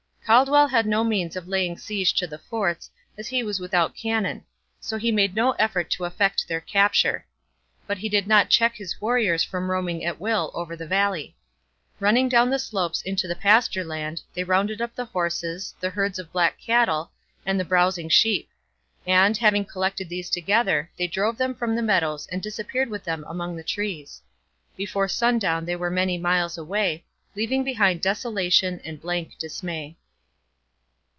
Caldwell had no means of laying siege to the forts, as he was without cannon; so he made no effort to effect their capture. But he did not check his warriors from roaming at will over the valley. Running down the slopes into the pasture land, they rounded up the horses, the herds of black cattle, and the browsing sheep; and, having collected these together, they drove them from the meadows and disappeared with them among the trees. Before sundown they were many miles away, leaving behind desolation and blank dismay.